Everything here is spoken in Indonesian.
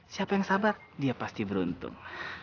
siapa yang sabar dia pasti beruntung